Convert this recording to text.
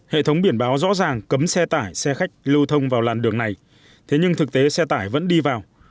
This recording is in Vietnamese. hệ thống biển báo rõ ràng cấm xe tải xe khách lưu thông vào làn đường này thế nhưng thực tế xe tải vẫn đi vào